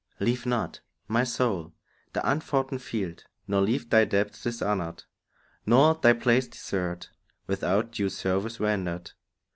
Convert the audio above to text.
Leave not, my soul, the unfoughten field, nor leave Thy debts dishonoured, nor thy place desert Without due service rendered.